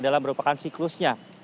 ini adalah perubahan siklusnya